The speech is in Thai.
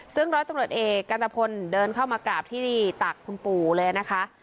ซึ่งร้อยตำรวจเอกกันตะพลเดินเข้ามากราบที่ตักคุณปู่เลยนะคะ